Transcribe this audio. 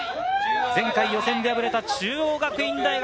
前回予選で敗れた中央学院大学。